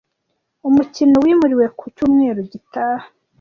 Umukino wimuriwe ku cyumweru gitaha.